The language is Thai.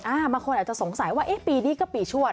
บางคนอาจจะสงสัยว่าเอ๊ะปีนี้ก็ปีชวด